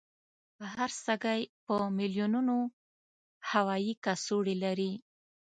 هر سږی په میلونونو هوایي کڅوړې لري.